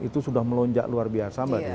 itu sudah melonjak luar biasa mbak dea